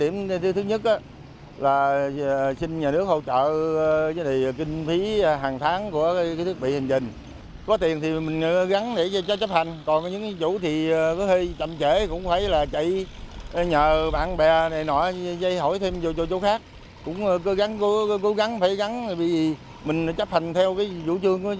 mình chấp hành theo vũ trường của dân chính phủ